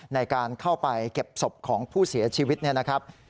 ในการเข้าไปเก็บศพของผู้เสียชีวิตเนี่ยนะครับ